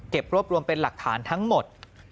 รวบรวมเป็นหลักฐานทั้งหมด